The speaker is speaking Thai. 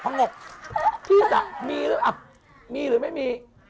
พี่จันทร์มีหรือไม่มี